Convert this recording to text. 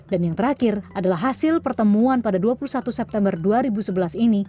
dan yang terakhir adalah hasil pertemuan pada dua puluh satu september dua ribu sebelas ini